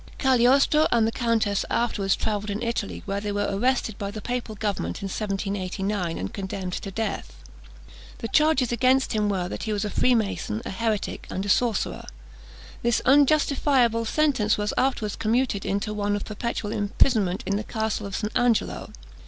Cagliostro and the countess afterwards travelled in Italy, where they were arrested by the Papal government in 1789, and condemned to death. The charges against him were, that he was a freemason, a heretic, and a sorcerer. This unjustifiable sentence was afterwards commuted into one of perpetual imprisonment in the Castle of St. Angelo.